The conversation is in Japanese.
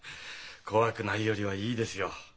怖くないよりはいいですよ。